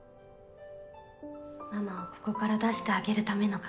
ママをここから出してあげる為の鍵。